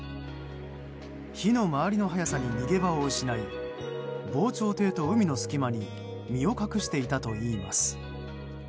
火の回りの早さに逃げ場を失い防潮堤と海の隙間に身を隠していたといいます。